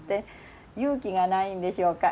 勇気がないんでしょうか。